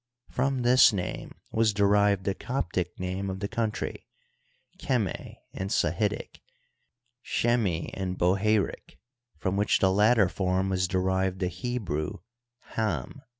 From this name was derived the Coptic name of the country, KHME in Sahidic, XHMI in Boheiric, from which latter form was derived the Hebrew Ham ( or\